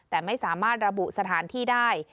แต่ไม่สามารถระบุสถานที่ได้